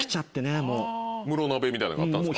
ムロ鍋みたいのがあったんですか。